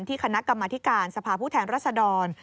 ที่คณะกรรมธิการสภาพภูเทงรัฐศดร